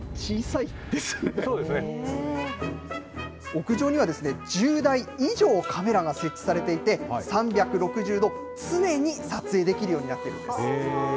屋上には１０台以上カメラが設置されていて、３６０度、常に撮影できるようになっているんです。